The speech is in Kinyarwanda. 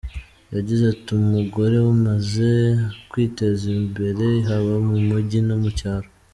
Yagize ati “Umugore amaze kwiteza imbere haba mu mujyi no mu cyaro.